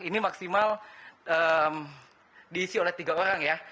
ini maksimal diisi oleh tiga orang ya